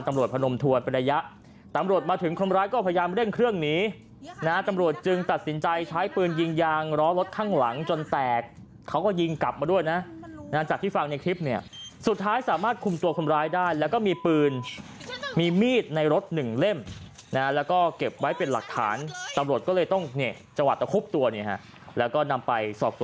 พนมทวนเป็นระยะตำรวจมาถึงคนร้ายก็พยายามเร่งเครื่องหนีนะตำรวจจึงตัดสินใจใช้ปืนยิงยางล้อรถข้างหลังจนแตกเขาก็ยิงกลับมาด้วยนะจากที่ฟังในคลิปเนี่ยสุดท้ายสามารถคุมตัวคนร้ายได้แล้วก็มีปืนมีมีดในรถหนึ่งเล่มนะแล้วก็เก็บไว้เป็นหลักฐานตำรวจก็เลยต้องเนี่ยจังหวัดตะคุบตัวเนี่ยฮะแล้วก็นำไปสอบ